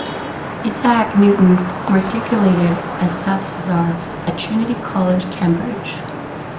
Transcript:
Isaac Newton matriculated as subsizar at Trinity College, Cambridge.